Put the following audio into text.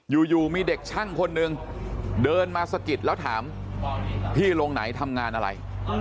อยู่มีเด็กช่างคนนึงเดินมาสะกิดแล้วถามพี่โรงไหนทำงานอะไร